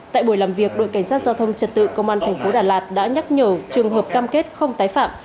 tại buổi làm việc đội cảnh sát giao thông trật tự công an thành phố đà lạt đã nhắc nhở trường hợp cam kết không tái phạm